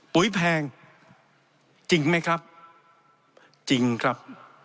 ปุ๋ยแพงจริงไหมครับจริงครับ